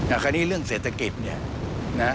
อันนี้เรื่องเศรษฐกิจนี่นะ